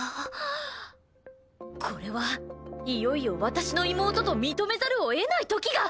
これはいよいよ私の妹と認めざるを得ない時が。